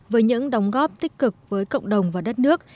với những đóng góp tích cực với cộng đồng và đất nước